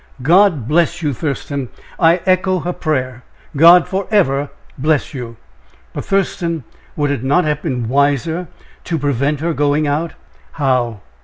"God bless you, Thurston! I echo her prayer. God forever bless you! But, Thurston, would it not have been wiser to prevent her going out?" "How?